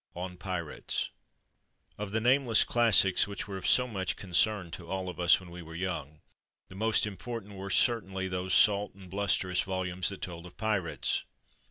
ON PIRATES OF the nameless classics which were of so much concern to all of us when we were young, the most important were certainly those salt and blusterous volumes that told of pirates.